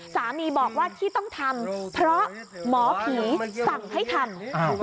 สามีบอกว่าที่ต้องทำเพราะหมอผีสั่งให้ทำ